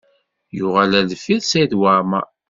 Yuɣal ar deffir Saɛid Waɛmaṛ.